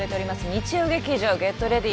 日曜劇場「ＧｅｔＲｅａｄｙ！」